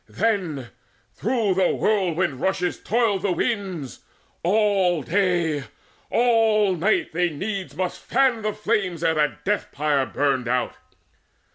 Then, though with whirlwind rushes toiled the winds, All day, all night, they needs must fan the flames Ere that death pyre burned out.